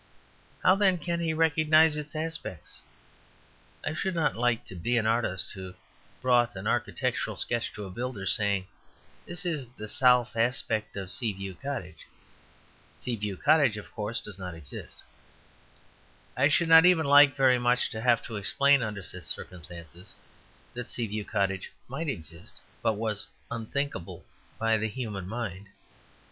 How, then, can he recognize its aspects? I should not like to be an artist who brought an architectural sketch to a builder, saying, "This is the south aspect of Sea View Cottage. Sea View Cottage, of course, does not exist." I should not even like very much to have to explain, under such circumstances, that Sea View Cottage might exist, but was unthinkable by the human mind.